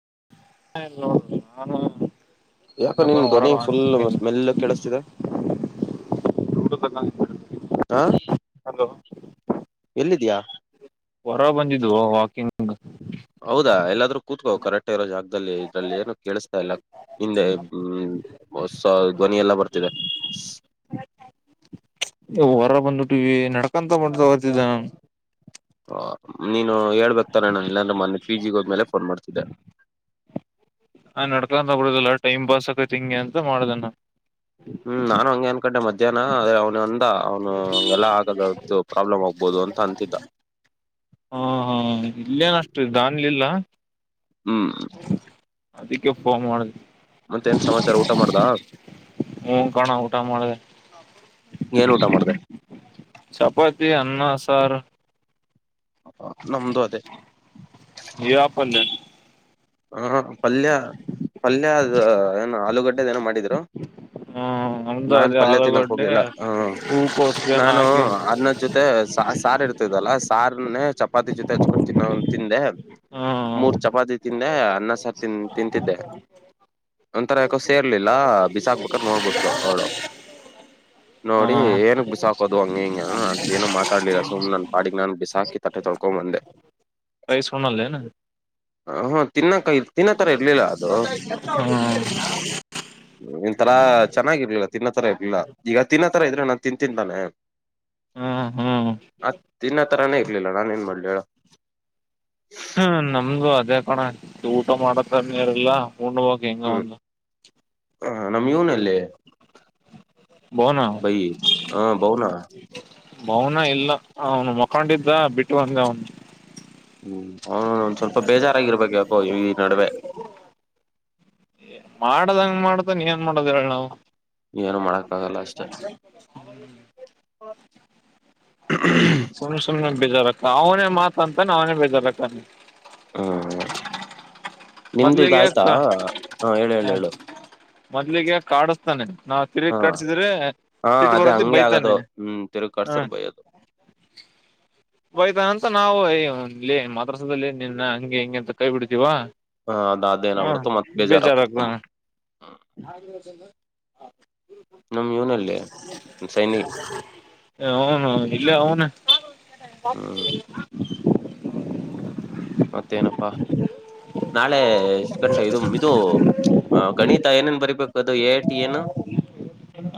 [unintelligible] ಯಾಕೋ ಇನ್ನೊಬ್ಬ ನಿನ್ ಧ್ವನಿ ಹೊರಗ ಫುಲ್ ಸ್ಮೆಲ್ಲುಗಕ್ಕೇಳುಸ್ತಿದೆ ಹ ಹಲೋ ಎಲ್ಲಿದ್ಯಾ ಹೊರ್ರ್ ಬಂದಿದ್ದು ವಾಕಿಂಗ್ [inaudible] ಕುತ್ಕೋ ಕರೆಕ್ ಟಗ್ ಇರೋ ಜಾಗ್ದಲ್ಲಿ ಇದ್ರಲ್ಲೇನು ಕೇಳ್ಸ್ತಾಯಿಲ್ಲ ಹಿಂದೆ ಹ್ಮ ಸ ಧ್ವನಿ ಎಲ್ಲ ಬರ್ತಿದೆ. [unintelligible] ವರಗ್ ಬಂದ್ಬಿಟ್ಟಿವಿ ನಡ್ಕಂತ ಮಾಡ್ತ ಓಯ್ತಿದ್ದೆ ನಾ. ಹ ನಿನ್ ಆ ಏಳ್ಬೇಕ್ತಾನೆ ನಂಗ್ ಇಲ್ಲಾಂದ್ರೆ ಮನನ್ ಪಿ ಜಿ ಗೋದ್ಮೇಲೆ ಫೋನ್ ಮಾಡ್ತಿದ್ದೆ. ಹಾ ನಡ್ಕೊಂತ ಬರುದಿಲ್ಲ ಟೈಮ್ ಪಾಸ್ ಆಕೈತಿ ಹಿಂಗೆ ಅಂತ ಮಾಡ್ದೆನ. ಹ್ಮ್ ನಾನು ಹಂಗೆ ಅಂ ಕಡೆ ಮಧ್ಯಾಹ್ನ ಅದೆ ಅವ್ನ್ ಅಂದ ಅವ್ನು ಹಗೆಲ್ಲ ಆಗಲ್ಲ ಪ್ರಾಬ್ಲಮ್ ಆಗ್ಬೊದು ಅಂತ ಅಂತಿದ್ದ. ಹಾ ಹಾ ಇಲ್ಲೇನ ಅಷ್ಟು ದಾನ್ಲಿಲ್ಲ ಹ್ಮ್ ಅದಿಕ್ಕೆ ಫೋನ್ ಮಾಡ್ದೆ. ಮತ್ತೇನ್ ಸಮಾಚಾರ ಊಟ ಮಾಡ್ದ ಹೂ ಕಣೊ ಊಟ ಮಾಡ್ದೆ ಏನ್ ಊಟ ಮಾಡ್ದೆ ಚಪಾತಿ ಅನ್ನ ಸಾರು. ನಮ್ದು ಅದೇ ಇಯ ಪಲ್ಲೆ. ಹಾ ಪಲ್ಯ ಪಲ್ಯ ಅದ್ ಏನೋ ಆಲೂಗಡ್ಡೆದ್ ಏನೋ ಮಾಡಿದ್ರು ಹ್ಮ್ ನಮ್ದು ನಾನ್ ಅದೇ ಪಲ್ಯ ತಿನ್ನಾಕ್ ಆಲೂಗಡ್ಡೆ ಹೋಗ್ಲಿಲ್ಲ ಹ ಹೂಕೋಸನ ನಾನು ಹಾಕಿ ಅನ್ನದ್ ಜೊತೆ ಸ ಸಾರ್ ಇರ್ತೆದಲ್ಲ ಸಾರ್ನೆ ಚಪಾತಿ ಜೊತೆ ಹಚ್ಕೊಂಡ್ ತಿನೋ ಹಂಗ್ ತಿಂದೆ. ಮೂರ್ ಚಪಾತಿ ಹ್ಮ ತಿಂದೆ ಅನ್ನ ಸಾರ್ ತಿನ್ ತಿಂತಿದ್ದೆ. ಒಂತರ ಯಾಕೋ ಸೇರ್ಲಿಲ್ಲ ಬಿಸಾಕ್ ಕದ್ ನೋಡ್ಬಿಟ್ಳಲು ಅವ್ಳು ನೋಡಿ ಹ್ಮ್ ಏನಕ್ ಬಿಸಾಕೋದು ಹಂಗೆ ಹಿಂಗೆ ಅನ್ದ್ಲು ನನ್ ಏನು ಮಾತಾಡಿಲ್ಲಾ ಸುಮ್ ನನ್ ಪಾಡಿಗೆ ನಾನ್ ಬಿಸಾಕ್ ಕಿ ತಟ್ಟೆ ತೊಳ್ಕೊಂಡ್ ಬಂದೆ. ರೈಸ್ ಉಣ ಲೇನು. ಹ್ಮ ಹು ತಿನ್ನಕ ತಿನ್ನೋತ್ತರ ಇರ್ಲಿಲ್ಲ ಅದು. ಹ್ಮ್ ಒಂತರ ಚೆನ್ನಾಗಿರ್ಲಿಲ್ಲ ತಿನ್ನೋತರ ಇರ್ಲಿಲ್ಲ ಈಗ ತಿನ್ನೋತರ ಇದ್ರೆ ನಾನ್ ತಿಂತಿದ್ತಾನೆ ಹ್ಮ್ ಹ್ಮ್ ಆ ತಿನ್ನ ತರಾನೇ ಇರ್ಲಿಲ್ಲ ನಾನ ಏನ್ ಮಾಡ್ಲಿ ಹೇಳು. ಹ್ಮ ನಮ್ದು ಅದೇ ಕಣ ಊಟ ಮಾಡತರನೆ ಇರ್ಲಿಲ್ಲ. ಉಣ್ಣು ಹೋಗು ಹೆಂಗೋ ಒಂದು. ಹ ನಮ್ ಯುವ್ನ್ ಎಲ್ಲಿ. ಬೌನ ಹ ಬೌನ ಮೌನ ಇಲ್ಲ ಅವ್ನು ಮೋಕ್ ಕೊಂಡಿದ್ದ ಬಿಟ್ ಬಂದೆ ಅವ್ನ್. ಹ್ಮ್ ಅವ್ನು ಒಂದ್ ಸ್ವಲ್ಪ ಬೇಜಾರಾಗಿರ್ಬೇಕ್ ಯಾಕೋ ಈ ಈ ನಡ್ವೆ. ಮಾಡ್ದಂಗ ಮಾಡ್ತಾನ ಏನ್ ಮಾಡೋದ್ ಹೇಳ್ ನಾವ್. ಏನು ಮಾಡಕ್ ಆಗಲ್ಲ ಅಷ್ಟೆ [unintelligible] [unintelligible] ಸುಮ್ನೆ ಸುಮ್ನೆ ಬೇಜಾರತ ಅವ್ನೇ ಮಾತ್ ಅಂತನೆ ಅವ್ನೇ ಬೇಜಾರಕ್ಕನೆ. ಹ್ಮ ಹಾ. ನಿಮ್ದು ಇದ್ ಮೊದ್ಲಿಗೆ ಆಯ್ತಾ ಹ ಹೇಳು ಹೇಳು ಹೇಳು. ಮೊದ್ಲಿಗೆ ಕಾಡುಸ್ತಾನೆ. ಹಾ ಹಾ ಅದೇ ಬರತಿ ಹಂಗೆ ಆಗದು ಬೈತಾನೆ ಹ್ಮ್ ತಿರುಗ್ ಕರ್ಸುದ್ರೆ ಬಯದು. ಬಯ್ತ ಅಂತ ನಾವು ಯ ಇ ಮತಸುದ್ರಲೆ ನಿನ್ನ ಹಂಗೆ ಹಿಂಗೆ ಅಂತ ಕೈ ಬಿಡ್ತೀವಾ. ಹ ಅದ್ ಅದೇನ್ ಆಗ್ ಹ ಬಿಡ್ತು ಮತ್ ಬೇಜಾರಾಗ್ ಕುತ್ಕೊಂಬಿಡ್ತು. ನಮ್ ಇವನಲ್ಲಿ ಸೈನಿ [unintelligible] ಅವ್ನು ಇಲ್ಲೆ ಅವ್ನೆ. ಹ್ಮ್ ಮತ್ತೇನಪ್ಪಾ ನಾಳೆ ಎಷ್ಟ್ ಗಂಟೆ ಇದು ಇದು ಗಣಿತ ಏನೇನ್ ಬರಿಬೇಕು ಅದು ಎ ಟಿ ಏನು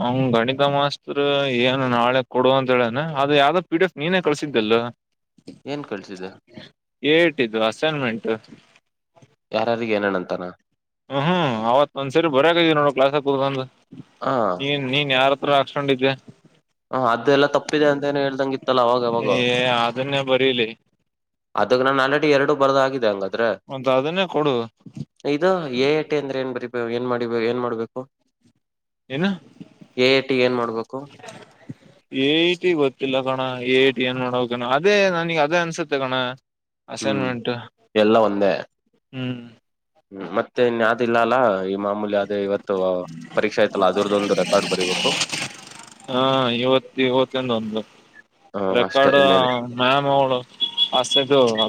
ಅವ್ ಗಣಿತ ಮಾಸ್ತೃ ಏನು ನಾಳೆ. ಕೊಡುವ ಅಂತ ಹೇಳನ ಅದು ಯಾವ್ದ ಪಿಡಿ ಎಫ್ ನೀನೇ ಕಳ್ಸಿದ್ದೆಲ್. ಏನ್ ಕಳ್ಸಿದೆ ಏ ಐ ಟಿ ದ್ದು ಅಸೈನ್ಮೆಂಟ್. ಯಾರಾರಿಗೆ ಏನ್ ಹೇಳ್ ಅಂತನ. ಹ್ಮ್ ಹ್ಮ್ ಅವತ್ ಒಂದ್ ಸರಿ ಬರಕಿದ್ವಿ ನೋಡು ಕ್ಲಾಸ್ಗ್ ಕುತ್ಕೊಂದ. ಹ ನೀನ್ ನೀನ್ ಯಾರ ಪುರ ಹಾಕ್ಸ್ ಕಂಡಿದ್ವಿ. ಹ ಅದೆ ಎಲ್ಲಾ ತಪ್ಪಿದೆ ಅಂತ ಏನೋ ಹೇಳ್ದಂಗಿತ್ತಲ್ಲ ಅವಾಗ್ ಯಾವಾಗೊ ಏ ಅದನ್ನೇ ಬರೀಲಿ ಅದ್ರಗ್ ನಾನೆ ಎರಡು ಬರದಾಗಿದೆ ಅಂಗ ದ್ರ ಮತ್ ಅದನ್ನೇ ಕೊಡು ಏ ಇದು ಎ ಐ ಟಿ ಅಂದ್ರೆ ಏನ್ ಬರೀ ಏನ್ ಮಾಡಿ ಏನ್ ಮಾಡ್ಬೇಕು. ಏನು ಎ ಎ ಟಿ ಗ್ ಏನ್ ಮಾಡ್ಬೇಕು? ಏ ಐ ಟಿ ಗೊತ್ತಿಲ್ಲ ಕಣ್ ಹ ಏ ಟಿ ಏನ್ ಮಾಡಬೇಕಣ ಅದೇ ನನಗೆ ಅದೇ ಅನ್ಸತ್ತೆ ಕಣ. ಹ್ಮ್ ಅಸೈನ್ಮೆಂಟ್ ಎಲ್ಲಾ ಒಂದೆ ಹ್ಮ್ ಹ್ಮ ಮತ್ತೆ ಇನ್ಯಾವ್ದ ಇಲ್ಲ ಅಲ್ಲ ಈ ಮಾಮೂಲಿ ಅದೇ ಇವತ್ತು ಪರೀಕ್ಷಾ ಆಯತಲ್ಲ ಅದರದ್ದೊಂದು ರೆಕಾರ್ಡ್ ಬರಿಬೇಕು ಹಾ ಇವತ್ ಇವತ್ತಿಂದ ಒಂದು ಹ್ಮ ಅಷ್ಟೇ ರೆಕಾರ್ಡ್ ಇನ್ನೇನೆ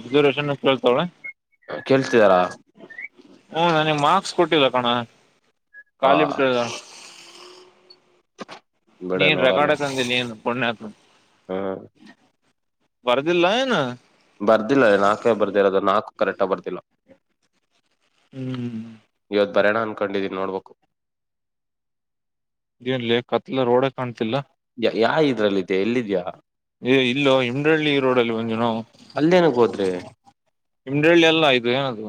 ರಿಸರ್ವೇಷನ್ನು ಕೇಳ್ತಾವ್ಳೆ. ಕೇಳ್ಸ್ತಿದಾರ? ಹ್ಮ ನನಿಗ್ ಮಾರ್ಕ್ಸ್ ಕೊಟ್ಟಿಲ್ಲ ಕಣ. ಆ ಖಾಲಿ ಬಿಟ್ಟದ ಬಿಡು ನೀನ್ ನೋಡೋಣ ರೆಕಾರ್ಡೆ ತಂದಿಲ್ ನೀನು. ಪುಣ್ಯಾತ್ಮ ಹ್ಮ್ ಬರ್ದಿಲ್ಲ ಏನೋ ಬರ್ದಿಲ್ಲ ನಾಲ್ಕೇ ಬರ್ದಿರೋದು ನಾಲ್ಕು ಕರೆಕ್ಟ ಬರ್ದಿಲ್ಲ ಹ್ಮ್ ಇವತ್ತು ಬರೋಣ ಅನ್ಕೊಂಡಿದ್ದೀನಿ ನೋಡ್ಬೇಕು ಇದೇನ್ಲಿ ಕತ್ಲ ರೋಡ ಕಾಣ್ತಿಲ್ಲ ಯಾ ಇದ್ರಲ್ಲಿದ್ದ ಎಲ್ಲಿದ್ಯಾ ಏ ಇಲ್ಲೋ ಹಿಮಂಡಳ್ಳಿ ರೋಡಲ್ಲಿ ಅಲ್ಲೇನಕ್ ಹೋದ್ರಿ ಹಿಮಂಡಳ್ಳಿ ಎಲ್ಲ ಇದು ಏನದು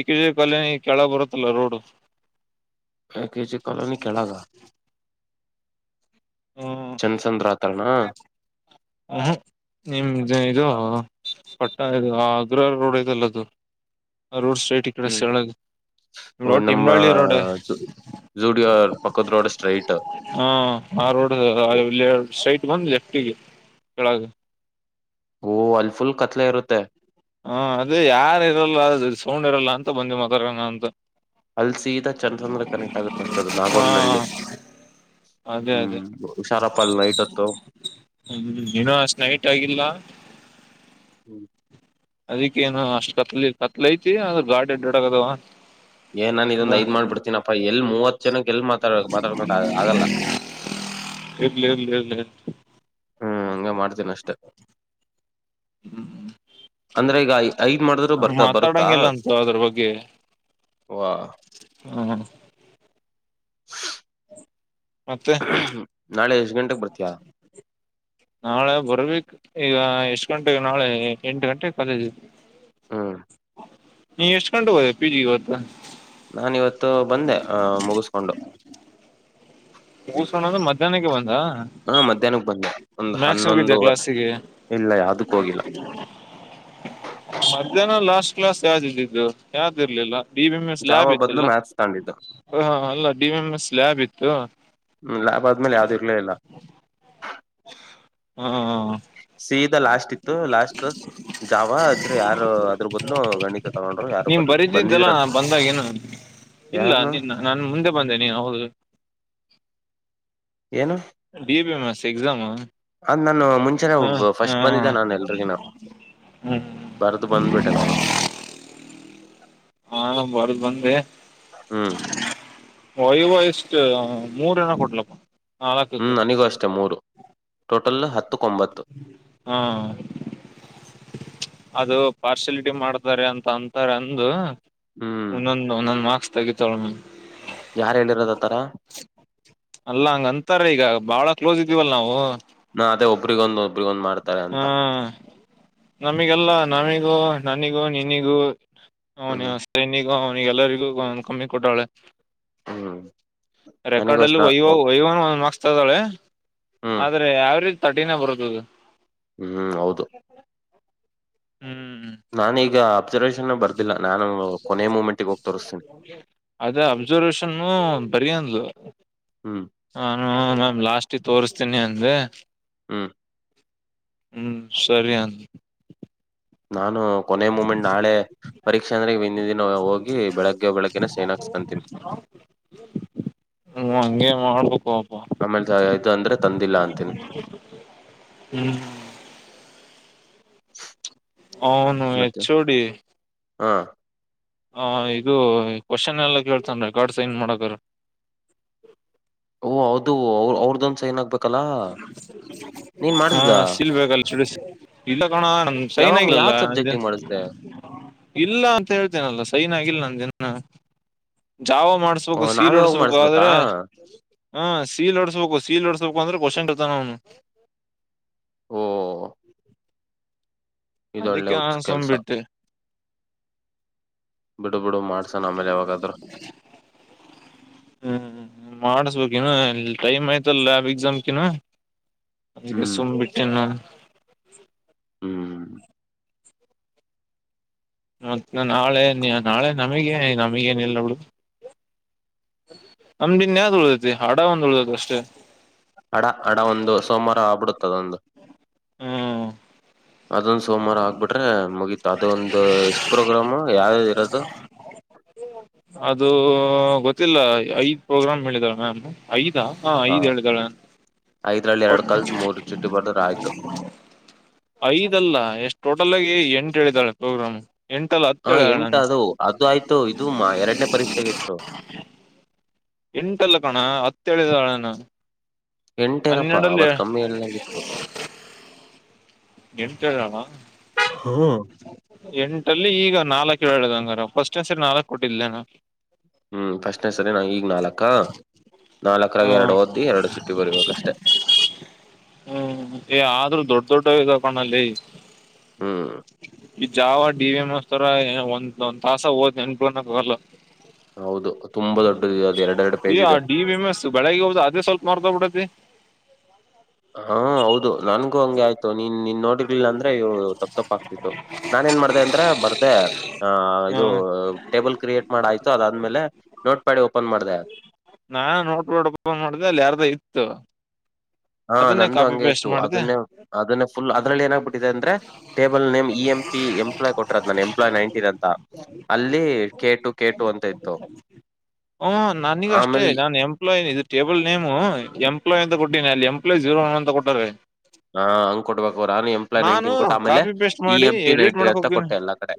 ಏಕೆ ಕಾಲನಿ ಕೆಳ ಬರುತ್ತಲ್ಲ ರೋಡು ಆ ಕೆಜಿ ಕಾಲೋನಿ ಕೆಳಗ ಚಂದಸಂದ್ರಾತ್ ಹ ನಿಮ್ ಇದು ಹ ಪಟ್ಟ ಇ ಅಗ್ರ ರೋಡ್ ಇದೆಲ್ಲ ಅದು ಆ ರೋಡ್ ಸೈಡ್ ಕ್ರಶ್ ಹ್ಮ್ ಈ ಕಡೆ ಸಳದ ನಮ್ಮ ರೋಡಗಿಂಗಳ್ಳಿ ರೋಡ್ ಜೂಡಿಯೋ ಪಕ್ಕದ ರೋಡ್ ಸ್ಟ್ರೈಟ್ ಹ ಆ ರೋಡ್ಲ್ಲಿ ಸ್ಟೈಟ್ ಬಂದು ಲೆಫ್ಟಿಗೆ ಕೆಳಗೆ ಓ ಅಲ್ಫುಲ್ ಕತ್ಲೆ ಇರುತ್ತೆ ಹ ಅದೇ ಯಾರ ಇರಲ್ಲ ಅ ಸೌಂಡ್ ಇರಲ್ಲ ಅಂತ ಬಂದಿ ಮತಂಗ ಅಂತ ಅಲ್ಲಿ ಸೀದಾ ಚಂದ್ರ ಚಂದ್ರ ಕನೆಕ್ಟ್ ಆಗಕ್ ಮತದ ಹಾ ನಾಗೋಂಡ್ನಳ್ಳಿ ಅದೇ ಅದೇ ಹ್ಮ್ ಹುಷಾರಪ್ಪಲ್ ನೈಟ್ತ್ತು ಹ್ಮ್ ಇನ್ನೂ ಅಷ್ಟ್ ನೈಟ್ ಆಗಿಲ್ಲ ಹ್ಮ್ ಅದಿಕ್ಕೇಏನು ಅಷ್ಟ್ ಕತ್ಲಿ ಕತ್ಲ ಐತಿ ಆದ್ರ ಗಾಡಿ ಅಡ್ಡಡಗದವ ಏನ್ ನನ್ ಇದೊ ಐ್ ಮಾಡ್ಬಡ್ತನಪ್ಪಾ ಮೂವತ್ತು ಚೆನ್ನಾಗಿ ಎಲ್ ಮಾತಾಡ್ ಮಾತಾಡ್ಕೊಂಡ ಆಗಲ್ಲ ಇರ್ಲಿ ಇರ್ಲಿ ಇರ್ಲಿ ಹ್ಮ್ ಹಂಗ ಮಾಡ್ತೀನಿ ಅಷ್ಟೆ ಅಂದ್ರೆ ಈಗ ಐದ್ ಮಾಡಿದ್ರು ಬರ್ತ ಬರುತ್ತಾ ಮಾತಾಡಂಗಿಲ್ಲ ಅಂತ ಅದ್ರ ಬಗ್ಗೆ ವಾ ಹ್ಮ ಮತ್ತೆ ನಾಳೆ ಎಷ್ಟ್ ಗಂಟೆಗೆ ಬರ್ತೀಯಾ ನಾಳೆ ಬರ್ಬೇಕು ಈಗ ಎಷ್ಟು ಗಂಟೆಗೆ ನಾಳೆ ಎಂಟು ಗಂಟೆಗೆ ಕಾಲೇಜ್ ಇದ್ವಿ ಹಾ ನೀ ಎಷ್ಟ್ ಕಂು ಹೋಗೋದ ಪಿ ಜಿಗೆ ಹೊತ ನಾಾನ ಇವತ್ತು ಬಂದೆ ಆಹ ಮುಗಿಸ್ಕೊಂಡು ಮುಸೋಣ ಮಧ್ಯಾಹ್ನಕ್ಕೆ ಬಂತ ಹಾ ಮಧ್ಯಾಹ್ನಕ್ ಬಂದೆ ಒಂದ್ ಮ್ಯಾಕ್ಸ್ ಹೋಗಿದ್ದೆ ಹನ್ನೊಂದು ಕ್ಲಾಸಿಗೆ ಇಲ್ಲ ಯಾವ್ದಕ್ಕ ಹೋಗಿಲ್ಲ ಇದನ ಲಾಸ್ಟ್ ಕ್ಲಾಸ್ ಯಾವ್ದ ಇದಿದ್ದು ಯಾವ್ದ್ ಇರ್ಲಿಲ್ಲ ಡಿ ಎಂ್ ಎಸ್ ಲ್ಯಾಬ್ ಜಾವ ಬದ್ಲು ಇತ್ತಲ್ಲ ಮ್ಯಾಥ್ಸ್ ತಗೊಂಡಿದ್ದೆ ಹ ಅಲ್ಲ ಡಿ ಎಂ ಎಸ್ ಲ್ಯಾಬ್ ಇತ್ತು ತೋ ಹ್ಮ್ ಲ್ಯಭ ಆದ್ಮೇಲೆ ಯಾವ್ದು ಇರ್ಲೇ ಇಿಲ್ಲ ಹ್ಮ ಹ ಸೀದಾ ಲಾಸ್ಟ್ ಇತ್ತು ಲಾಸ್ಟ್ ಜಾವ ಅದ್ರ ಯಾರು ಅದ್ರ ಬದ್ಲು ಗಣಿತ ತಗೊಂಡರು ಯಾರು ನೀನ್ ಬರ್ ಬರೀತಿದ್ದಲ್ಲ ಬಂದಿದರು ನಾ ಅನ್ಸ ಬಂದಾಗೇನು ಇಲ್ಲ ಯಾರನು ನಿನ್ನ ನಾನು ಮುಂದೆ ಬಂದೆ ನೀನು ಹೌದು ಏನು D B M S exam ಅದ್ ನಾನು ಮುಂಚೆನೆ ಫಸ್ಟ್ ಬಂದಿದ್ದೆ ನಾನು ಎಲ್ರಿಗಿನ ಹ್ಞೂ ಬರ್ದು ಬಂದ್ಬಿಟೆ ನಾನು. ನಾನು ಬರ್ದ್ ಬಂದೆ ಹ್ಮ್ ಹೊಯ್ ಇವ ಎಷ್ಟ್ ಮೂರೆನ ಕೊಟ್ಲಪ್ಪ ನಾಲಕಕ್ಕ. ಹ್ಮ್ ನನಗೂ ಅಷ್ಟೆ ಮೂರು ಟೋಟಲ್ ಹತ್ತಕ್ಕೊಂಬತ್ತು ಹಾ ಅದು ಪಾರ್ಶಲಿ ಟಿ ಮಾಡ್ತಿದಾರೆ ಅಂತ್ ಅಂತೇಳ್ ಅಂದು ಹ್ಮ್ ಒಂದೊಂದು ಒಂದೊಂದು ಮಾರ್ಕ್ಸ್ ತಗಿ ತಳಮಿ ಯಾರ ಹೇಳಿರೋದತರ. ಅಲ್ಲ ಹಂಗ ಅಂತಾರೆ ಈಗ ಬಾಳ ಕ್ಲೋಸ್ ಇದ್ದೀವಲ್ಲ ನಾವು ನ ಅದೇ ಒಬ್ಬರಿ ಗೊಂದು ಒನ್ ಹ್ಮ್ ನಮಿಗಲ್ಲ ನಮಿ ಲೋ ನನಿಗೂ ನಿನ್ನಿಗೂ ನೋ ಹ್ಮ್ ನ್ಯೂಸ್ [unintelligible] ಅವನಿಗೆ ಎಲ್ಲರಿಗೂ ಕಮ್ಮಿ ಕೊಟ್ಟವ್ಳೆ ಹ್ಮ್ ನನಗೂ ರೆಕಾರ್ಡ್ ಅಲ್ಲಿ ಅಷ್ಟ ವೈವಾ ವೈವಾನು ಒನ್ನೊಂದ್ ಮಾರ್ಕ್ಸ್ ತದಾಳೆ ಹ್ಮ್ ಆದ್ರೆ ಯಾವರೆ ತರ್ಟಿನೇ ಬರುದುದು. ಹ್ಮ್ ಹ್ಮ್ ಹೌದು ಹ್ಮ್ ನಾನೀಗ ಪ್ ಮೂಮೆಂಟ್ಗೆ ಹೋಗಿ ತೋರಿಸ್ತೀನಿ ಅದೇ ಅಬ್ಸರ್ವೇಶನ್ ಬರಿ ಅಂದ್ಲು ಹ್ಮ್ ನಾನು ಮ್ಯಾಮ್ ಲಾಸ್ಟಿಗ್ ತೋರ್ಸ್ತೀನಿ ಅನ್ ದೆ ಹ್ಮ ಹ್ಮ್ ಸರಿ ಅನ್ ನಾನು ಕೊನೆ ಮೂಮೆಂಟ್ ನಾಳೆ ಪರೀಕ್ಷೆ ಅಂದ್ರೆ ಹಿಂದಿನ್ ದಿನ ಹೋಗಿ ಬೆಳಗ್ಗೆ ಬೆಳಗ್ಗೆನ ಸೈನ್ ಹಾಸ್ಕಂತೀನಿ. ಮಾಡ್ಬಕೋ ಆಮೇಲ್ ಇದ್ ಅಂದ್ರೆ ತಂದಿಲ್ಲ ಅಂತೀನಿ. ಹ್ಮ್ ಅವ್ನು ಮತ್ತೆ ಎಚ್ ಓ ಡಿ ಹಾ ಹ ಇದು ಕ್ವಶನ್ ಎಲ್ಲ ಕೇಳ್ತಾನ ರೆಕಾರ್ಡ್ ಸೈನ್ ಮಾಡಕಾರ. ಓ ಹೌದು ಅವ್ರದೊಂದ್ ಸ್ ನೀನ್ ಹಾ ಮಾಡ್ಸ್ದಾ? ಸಿಲ್ಬೇಕಲ್ಲ ಎಚ್ ಓ ಡಿ ಸಿ ಇಲ್ಲ ಣ ನಮ್ ಸೈನ್ ಯಾವಾಗ್ ಆಗಿಲ್ಲಲ್ಲ ಯಾವ್ ಅಂದೆ ಸಬ್ಜೆಕ್ಟಿಗ್ ಮಾಡಿಸ್ದೆ? ಇಲ್ಲ ಅಂತ ಹೇಳ್ತೇನಲ್ಲ ಸೈನ್ ಆಗಿಲ್ಲ ನಂದಿನ್ ಹಾ ಜಾವ ಓ ಮಾಡ್ಸ್ಬೇಕು ಸೀಲ್ ನಾವೇ ಹೋಗ್ ಹೊಡ್ಸ್ಬೇಕು ಮಾಡಿಸ್ಬೇಕಾ? ಆದ್ರೆ ಹ್ಮ ಸೀಲ್ ಓಡ್ಸ್ಬೇಕು ಸಿಲ್ ಓಡ್ಸ್ ಸ್ವಲ್ಪ ಅಂದ್ರೆ ಕ್ವಷನ್ಟ್ ಇರ್ತಾನವನು [inaudible] ಓ ಇದೊಳ್ಳೆ ಅದಿಕ್ಕೆ ಹುಚ್ಚ್ ನಾನು ಸುಮ್ ಕೆಲ್ಸ. ಬಿಟ್ಟೆ. ಬಿಡು ಬಿಡು ಮಾಡ್ಸನ ಆಮೇಲೆ ಯಾವಾಗಾದ್ರು ಹ್ಮ್ ಮಾಡಸ್ಬೇಕ್ ಇನ್ನು ಟೈಮ್ ಆಯ್ತಲ್ಲ ಲ್ಯಾಬ್ ಎಕ್ಷಮಕಿನ್ನು ಅದಕ್ಕೆ ಹ್ಮ್ ಸುಮ್ ಬಿಟ್ಟೆನ್ ನಾನು ಹ್ಮ್ ಮತ್ತ ನಾಳೆ ನಾಳೆ ನಮಗ ನಮಗೇನಿಲ್ಲ ಬಿಡು ನಮ್ದಿನ್ ಯಾವ್ದ್ ಉಳ್ದತಿ ಹಾಡ ಒಂದು ಉಳ್ದೇತಿ ಅಷ್ಟೇ. ಹಡ ಹಡ ಒಂದು ಸೋಮವಾರ ಆಗ್ಬಿಡತ್ತ್ ಅದೊಂದು ಹ್ಮ್ ಅದೊಂದ ಸೋಮವಾರ ಆಗ್ಬಿಟ್ರೆ ಮುಗೀತ ಅದೊಂದು ಎಷ್ಟ್ ಪ್ರೋಗ್ರಾಮು ಯ ಅದು ಇರದು ಅದು ಗೊತ್ತಿಲ್ಲ ಐದ್ ಪ್ರೋಗ್ರಾಮ್ ಹೇಳಿದಾರ ಮ್ಯಾಮ್. ಐದಾ ಹಾ ಐದ್ ಹೇಳಿದಾಳೆ ಐದ್ರಲ್ಲಿ ಓ ಎರಡ್ ಕಲ್ತ್ ಮೂರ್ ಚುಟ್ಟಿ ಬರ್ದ್ರ ಆಯ್ತು ಐದಲ್ಲ ಎಷ್ಟು ಟೋಟಲ್ ಆಗಿ ಏನ್ ಹೇಳಿದಾಳೆ ಪ್ರೋಗ್ರಾಮು ಹಾ ಎಂಟ ಅದು ಅದು ಆಯ್ತು ಇದು ಮ್ಮ ಎರಡನೇ ಪರೀಕ್ಷೆಗೆ ಎಷ್ಟು ಎಂಟಲ್ಲ ಕಣ ಹತ್ತೇಳಿದಾಣ ನಾನು ಎಂಟೇನಪ್ಪಾ ಹನ್ನೆರಡಲ್ಲಿ ಅವತ್ ಕಮ್ಮಿ ಹೇಳ್ದಂಗಿತ್ತು. ಎಂಟೇಳನ ಹ್ಮ ಎಂಟಲ್ಲಿ ಈಗ ನಾಲ್ಕು ಹೇಳದಂಗಾರ ಫಸ್ಟ್ನೆ ಸರಿ ನಾಲ್ಕ ಕೊಟ್ಟಿದ್ಲೇನ? ಹ್ಮ್ ಫಸ್ಟ್ನೆ ಸರಿ ನಾ ಈಗ್ ನಾಲ್ಕಾ ನಾಲ್ಕರಾಗ ಹಾ ಎರಡು ಓದ್ದಿ ಎರಡು ಚುಟ್ಟಿ ಬರಿಬೇಕಷ್ಟೆ. ಹ್ಮ್ ಏ ಆದ್ರೂ ದೊಡ್ಡ [unintelligible] ಹ್ಮ್ ಈ ಜಾವ ಡಿ ವಿ ಎಂ ಮಾಡಸ್ತಾರ ಒಂದ್ ಒಂದ್ ತಾಸ ಒದ್ ನೆನಪಾನ ಬರಲ್ಲ. ಹೌದು ತುಂಬಾ ದೊಡ್ಡದು ಅದು ಎರಡ್ ಎರಡು ಈ ಪೇಜ್ ಇದೆ ಡಿ ವಿ ಎಂ ಎಸ್ ಬೆಳಗ್ಗೆ ಹೋಗ ಅದೇ ಸ್ವಲ್ಪ ಮಾರತೊಗ್ಬಿಟ್ಟೈತಿ. ಹಾ ಹೌದು ನನ್ಗೂ ಹಂಗೆ ಆಯ್ತು ನೀ ನಿನ್ ನೋಡಿರ್ಲಿಲ್ಲ ಅಂದ್ರೆ ಇವು ತಪ್ ತಪ್ ಆಗ್ತಿತ್ತು ನಾನ ಏನ್ ಮಾಡ್ದ ಅಂದ್ರೆ ಬರ್ದೆ ಆ ಹ್ಮ ಇದು ಟೇಬಲ್ ಕ್ರಿಯೇಟ್ ಮಾಡಾಯ್ತು ಅದಾದ್ಮೇಲೆ ನೋಟ್ ಪ್ಯಾಡಿ ಓಪನ್ ಮಾಡ್ದೆ. ನಾನ್ ನೋಟ್ಬೋರ್ಡ್ ಓಪನ್ ಮಾಡಿದೆ ಅಲ್ಲಿ ಯಾರ್ದ ಇತ್ತು ಹಾ ಅದನ್ನೇ ನಂದು ಕಾಪಿ ಹಂಗೆ ಪೇಸ್ಟ್ ಇತ್ತು ಮಾಡಿದೆ ಅದನ್ನೇ ಅದನ್ನ ಫುಲ್ ಅದ್ರಲ್ಲಿ ಏನಾಗ್ಬಿಟ್ಟಿದೆ ಅಂದ್ರೆ table name E M P employee ಕೊಟರದ್ ನ ಎಂಪ್ಲಾಯ್ ನೈನ್ಟೀನ್ ಅಂತ ಅಲ್ಲಿ ಕೆ ಟು ಕೆ ಟು ಅಂತ ಇತ್ತು ಹ್ಮ ನನಗ ಅಷ್ಟೇ ಆಮೇಲ್ ಈ ನಾನ್ ಎಂಪ್ಲಾಯ್ ಟಿನಲ್ ಎಂ ಪ್ಲಾಯ್ ಜೀರೋ ಒನ್ ಅಂತ ಕೊಟ್ಟಾರೆ. ಹಾ ಹಂಗ್ ಕೊಡ್ಬೇಕು ನಾನು ಎಂಪ್ಲಾಯಿ ನಾನು ನೈನ್ಟಿನ್ ಕೊಟ್ಟ ಆಮೇಲೆ ಕಾಪಿ ಪೇಸ್ಟ್ ಇ ಮಾಡಿ ಎಂ ಪಿ ಎಡಿಟ್ ನೈನ್ಟಿನ್ ಮಾಡಕ್ ಹತ್ತ ಹೋಗ್ತೀನಿ ಕೊಟ್ಟೆ ಎಲ್ಲ ಕಡೆ.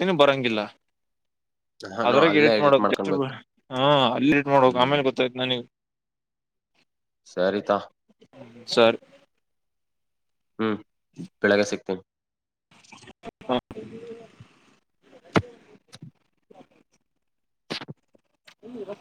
ತೆನೆ ಬರೋಂಗಿಲ್ಲ. ನಾನು ಅದ್ರೆ ಅಲ್ಲೇ ಎಡಿಟ್ ಮಾಡು ಮಾಡ್ಕೊಬೇಕು ಹ ಅಲ್ಲಿ ಎಡಿಟ್ ಮಾಡಕ್ ಹ್ಮ್ ಆಮೇಲೆ ಗೊತಾಯ್ತು ನಾನಗ ಸರಿತಾ ಸರಿ. ಹ್ಮ್ ಬೆಳಗ್ಗೆ ಸಿಗ್ತೇನಿ. ಹ್ಮ್. [inaudible] [unintelligible]